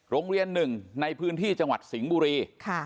โรงเรียนหนึ่งในพื้นที่จังหวัดสิงห์บุรี